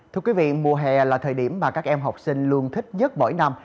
thưa quý vị mùa hè là thời điểm mà các em học sinh luôn thích nhất mỗi năm